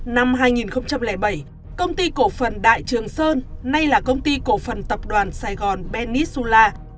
năm hai nghìn bảy công ty cổ phần đại trường sơn nay là công ty cổ phần tập đoàn sài gòn benisula